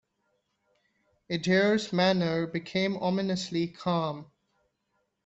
Adair's manner became ominously calm.